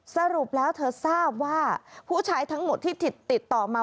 สรุปแล้วเธอทราบว่าผู้ชายทั้งหมดที่ติดต่อมา